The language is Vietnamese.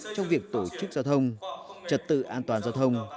trong việc tổ chức giao thông trật tự an toàn giao thông